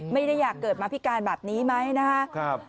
ไม่ได้อยากเกิดมาพิการแบบนี้ไหมนะครับ